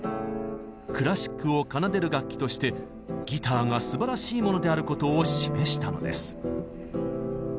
クラシックを奏でる楽器としてギターがすばらしいものであることを示したのです。